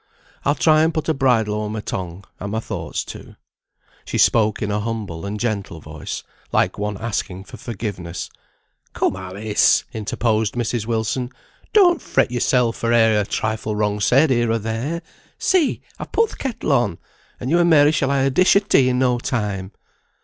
I'll try and put a bridle o'er my tongue, and my thoughts too." She spoke in a humble and gentle voice, like one asking forgiveness. "Come, Alice," interposed Mrs. Wilson, "don't fret yoursel for e'er a trifle wrong said here or there. See! I've put th' kettle on, and you and Mary shall ha' a dish o' tea in no time."